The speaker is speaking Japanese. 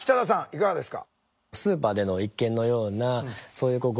いかがですか？